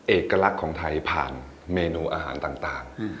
เอกลักษณ์ของไทยผ่านเมนูอาหารต่าง